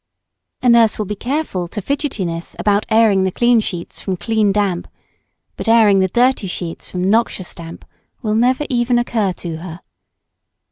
A nurse will be careful to fidgetiness about airing the clean sheets from clean damp, but airing the dirty sheets from noxious damp will never even occur to her.